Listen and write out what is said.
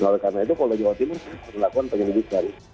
lalu karena itu kalau jawabin lakukan penyelidikan